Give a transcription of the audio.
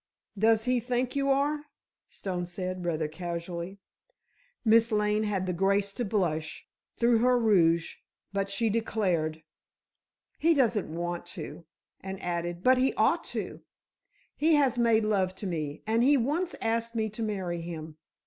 "Does he think you are?" Stone said, rather casually. Miss Lane had the grace to blush, through her rouge, but she declared: "He doesn't want to," and added, "but he ought to. He has made love to me, and he once asked me to marry him.